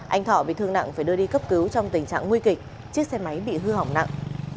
anh thọ bị thương nặng phải đưa đi cấp cứu trong tình trạng nguy kịch chiếc xe máy bị hư hỏng nặng